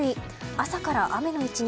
朝から雨の１日。